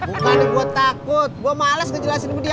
bukan gue takut gue males ngejelasin kemudianya